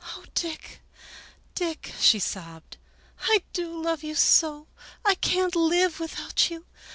" Oh ! Dick, Dick," she sobbed, " I do love you so ! I can't live without you